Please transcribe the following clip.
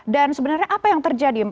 dan sebenarnya apa yang terjadi